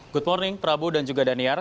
good morning prabu dan juga daniar